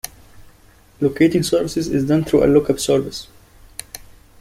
Locating services is done through a lookup service.